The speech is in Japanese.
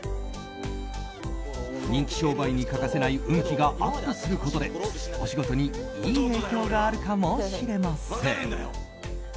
人気商売に欠かせない運気がアップすることでお仕事にいい影響があるかもしれません。